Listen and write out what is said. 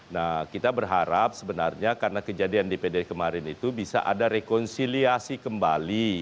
nah kita berharap sebenarnya karena kejadian dpd kemarin itu bisa ada rekonsiliasi kembali